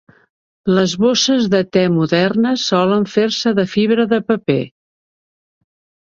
Les bosses de te modernes solen fer-se de fibra de paper.